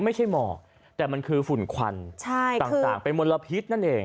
ไม่ใช่หมอกแต่มันคือฝุ่นควันต่างเป็นมลพิษนั่นเอง